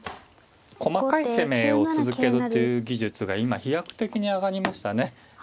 細かい攻めを続けるという技術が今飛躍的に上がりましたね。